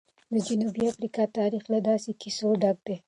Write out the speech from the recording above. د جنوبي افریقا تاریخ له داسې کیسو ډک دی.